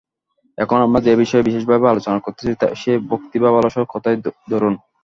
এখন আমরা যে-বিষয়ে বিশেষভাবে আলোচনা করিতেছি, সেই ভক্তি বা ভালবাসার কথাই ধরুন।